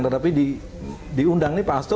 tetapi diundang nih pak astro